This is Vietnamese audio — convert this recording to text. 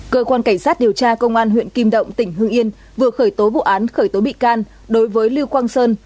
cơ quan cảnh sát điều tra công an huyện kim động tỉnh hương yên vừa khởi tố vụ án khởi tố bị can đối với lưu quang sơn